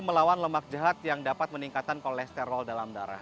melawan lemak jahat yang dapat meningkatkan kolesterol dalam darah